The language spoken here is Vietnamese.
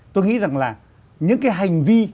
tôi nghĩ rằng là những cái hành vi